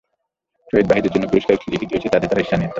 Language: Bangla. শহীদ ভাইদের জন্য যে পুরস্কার লিখিত হয়েছে তাতে তারা ঈর্ষান্বিত।